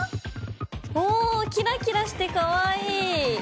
おおキラキラしてかわいい！